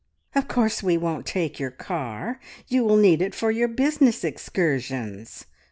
"Of course we won't take your car. You will need it for your business excursions!"